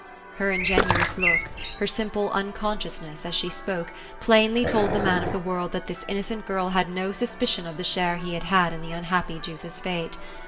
Her ingenuous look, her simple unconsciousness, as she spoke, plainly told the man of the world that this innocent girl had no suspi cion of the share he had had in the unhappy Jutha's fate.